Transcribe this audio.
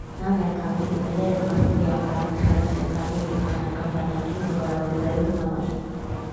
Նա միանգամից դիմել էր ավստրիական, ֆրանսիական և բրիտանական բանակին՝ զինվորագրվելու համար։